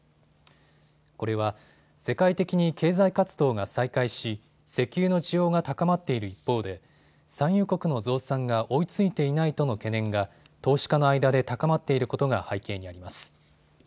これは世界的に経済活動が再開し石油の需要が高まっている一方で産油国の増産が追いついていないとの懸念が投資家の間で高まっていることが背景にあります。